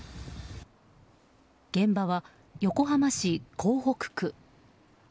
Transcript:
現場は横浜市港北区。